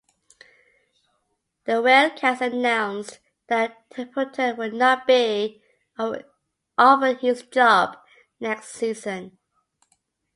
The RailCats announced that Templeton would not be offered his job next season.